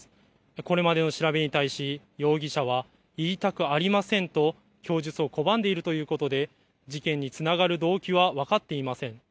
これまでの調べに対し容疑者は言いたくありませんと供述を拒んでいるということで事件につながる動機は分かっていません。